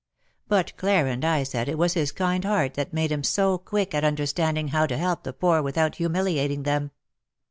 But Clara and I said it was his kind heart that made him so quick at understanding how to help the poor without humiliating them.